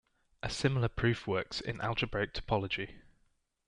A similar proof works in algebraic topology.